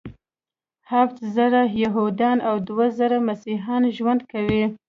هفت زره یهودان او دوه زره مسیحیان ژوند کوي.